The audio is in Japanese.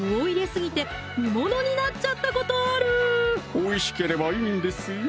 おいしければいいんですよ